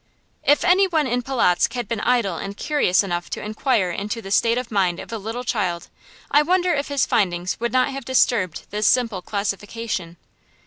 If any one in Polotzk had been idle and curious enough to inquire into the state of mind of a little child, I wonder if his findings would not have disturbed this simple classification.